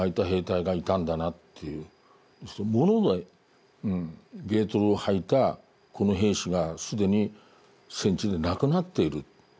ものでゲートルをはいたこの兵士が既に戦地で亡くなっている。